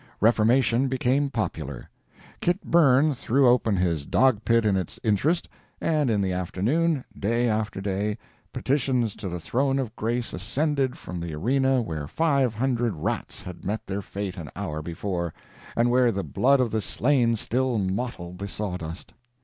Reformation became popular. Kit Burn threw open his dog pit in its interest, and in the afternoon, day after day, petitions to the throne of grace ascended from the arena where five hundred rats had met their fate an hour before, and where the blood of the slain still mottled the sawdust.